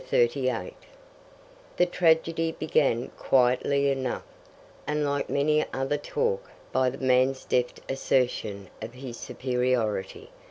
Chapter 38 The tragedy began quietly enough, and like many another talk, by the man's deft assertion of his superiority.